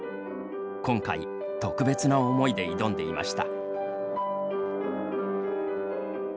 今回、特別な思いで挑んでいました。